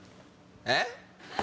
えっ？